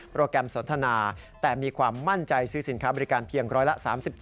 แกรมสนทนาแต่มีความมั่นใจซื้อสินค้าบริการเพียงร้อยละ๓๗